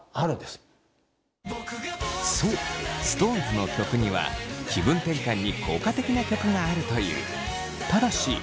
そうＳｉｘＴＯＮＥＳの曲には気分転換に効果的な曲があるという。